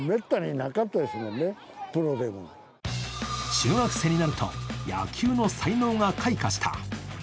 中学生になると野球の才能が開花した。